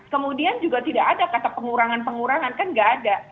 kemudian juga tidak ada kata pengurangan pengurangan kan nggak ada